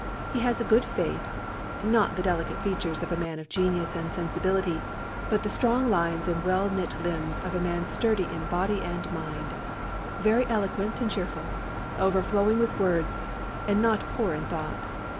He has a good face, not the delicate features of a man of genius and sensibility, but the strong lines and well knit limbs of a man sturdy in body and mind. Very eloquent and cheerful. Overflowing with words, and not poor in thought.